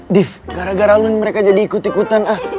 div gara gara lo mereka jadi ikut ikutan